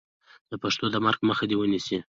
د پښتو د مرګ مخه دې ونیسو.